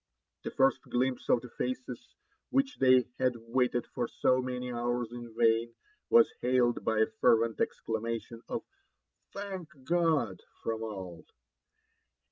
The first glimpse of the faces which they had waited for so many hours in vain was hailed by a fervent eidamation of Thank God !" from all.